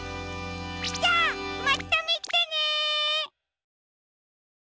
じゃまたみてね！